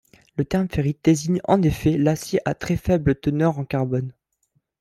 Le terme ferrite désigne en effet l'acier à très faible teneur en carbone.